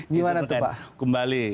gimana tuh pak